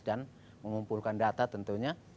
dan mengumpulkan data tentunya